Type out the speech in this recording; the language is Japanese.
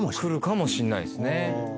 くるかもしんないですね。